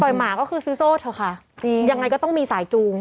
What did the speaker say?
หมาก็คือซื้อโซ่เถอะค่ะจริงยังไงก็ต้องมีสายจูง